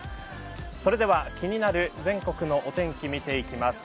それでは、気になる全国のお天気を見ていきます。